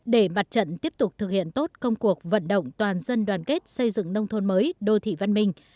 để mặt trận tiếp tục thực hiện tốt công cuộc vận động toàn dân đoàn kết xây dựng nông thôn mới đô thị văn minh